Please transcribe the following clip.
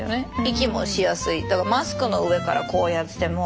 息もしやすいだからマスクの上からこうやってても。